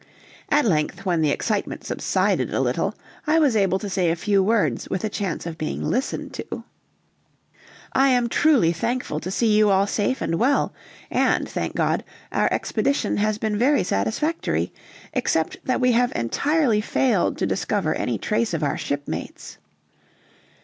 At length, when the excitement subsided a little, I was able to say a few words with a chance of being listened to. "I am truly thankful to see you all safe and well, and, thank God, our expedition has been very satisfactory, except that we have entirely failed to discover any trace of our shipmates."